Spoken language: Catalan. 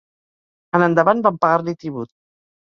En endavant van pagar-li tribut.